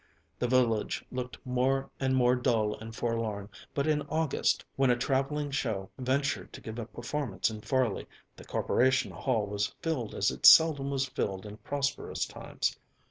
The village looked more and more dull and forlorn, but in August, when a traveling show ventured to give a performance in Farley, the Corporation hall was filled as it seldom was filled in prosperous times.